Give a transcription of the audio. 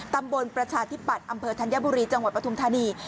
ประชาธิปัตย์อำเภอธัญบุรีจังหวัดปฐุมธานี